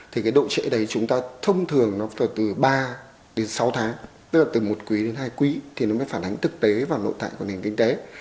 thì cái độ trễ đấy chúng ta thông thường nó từ ba đến sáu tháng tức là từ một quý đến hai quý thì nó mới phản ánh thực tế và nội tại của nền kinh tế